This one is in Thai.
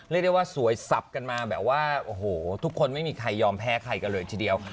เรียกได้ว่าสวยสับกันมาแบบว่าโอ้โหทุกคนไม่มีใครยอมแพ้ใครกันเลยทีเดียว